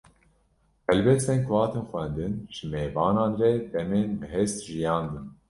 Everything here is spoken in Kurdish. Helbestên ku hatin xwendin, ji mêvanan re demên bi hest jiyandin